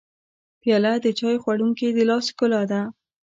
پیاله د چای خوړونکي د لاس ښکلا ده.